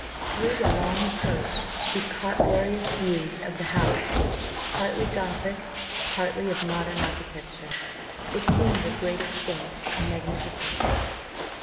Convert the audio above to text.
Through the long approach, she caught various views of the house, partly gothic, partly of modern architecture; it seemed of great extent and magnificence.